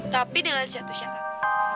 tapi dengan satu syarat